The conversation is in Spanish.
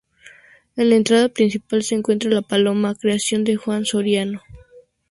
En la entrada principal se encuentra "La Paloma", creación de Juan Soriano.